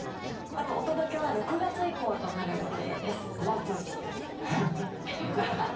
あと、お届けは６月以降となる予定です。